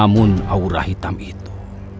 namun aura hitam itu